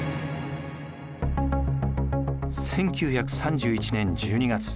１９３１年１２月。